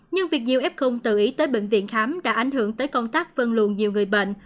nhưng việc nhiều ép không tự ý tới bệnh viện khám đã ảnh hưởng tới công tác phân luồn nhiều người bệnh